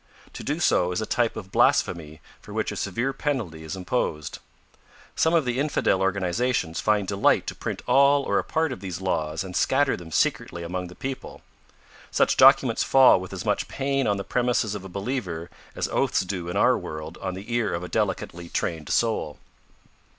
To do so is a type of blasphemy for which a severe penalty is imposed. Some of the infidel organizations find delight to print all or a part of these laws and scatter them secretly among the people. Such documents fall with as much pain on the premises of a believer as oaths do in our world on the ear of a delicately trained soul.